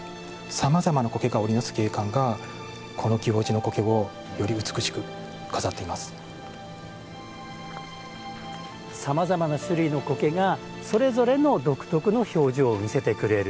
さまざまな苔が織りなす景観がこの祇王寺の苔をより美しくさまざまな種類の苔がそれぞれの独特の表情を見せてくれる。